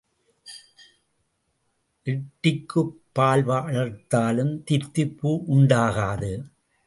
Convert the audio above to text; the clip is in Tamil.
எட்டிக்குப் பால் வளர்த்தாலும் தித்திப்பு உண்டாகாது.